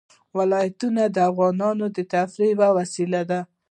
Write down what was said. ولایتونه د افغانانو د تفریح یوه وسیله ده.